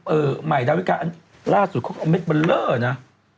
เออใหม่ดาวิการ์ล่าสุดคงเอาเม็ดเบอร์เลอร์นะ